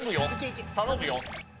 頼むよ。